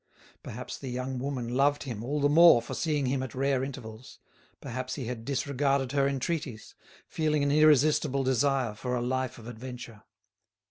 Perhaps the young woman loved him all the more for seeing him at rare intervals, perhaps he had disregarded her entreaties, feeling an irresistible desire for a life of adventure.